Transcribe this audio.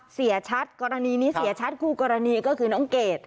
เสียชัดกรณีนี้เสียชัดคู่กรณีก็คือน้องเกด